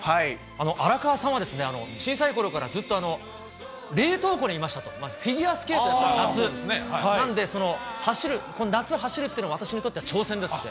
荒川さんは、小さいころからずっと冷凍庫にいましたと、まずフィギュアスケート、夏、なんで夏走るっていうのは私にとっては挑戦ですって。